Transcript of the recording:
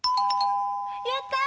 やった！